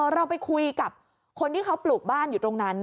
เราไปคุยกับคนที่เขาปลูกบ้านอยู่ตรงนั้น